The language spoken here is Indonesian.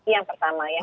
yang pertama ya